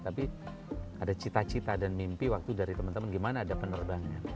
tapi ada cita cita dan mimpi waktu dari teman teman gimana ada penerbangan